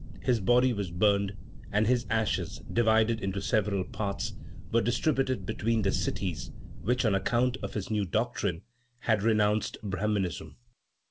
His body was burned, and his ashes, divided into several parts, were distributed between the cities, which, on account of his new doctrine, had renounced Brahminism.